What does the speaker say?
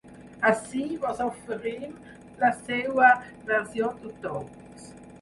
Ací vos oferim la seua versió dUtòpics